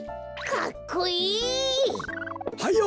かっこいい！